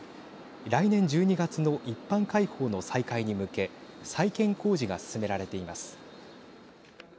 来年１２月の一般開放の再開に向け再建工事が進められています。